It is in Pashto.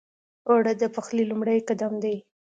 اوړه د پخلي لومړی قدم دی